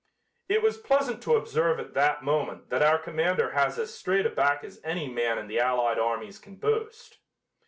It was pleasant to observe at that moment that our commander has as straight a back as any man in the allied armies can boast.